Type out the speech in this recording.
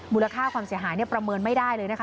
มูลค่าความเสียหายเนี่ยประเมินไม่ได้เลยนะคะ